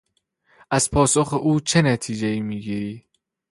از پاسخ او چه نتیجهای میگیری؟